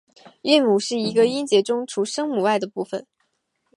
韵母是一个音节中除声母外的部分。